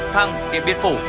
thăng điện biên phủ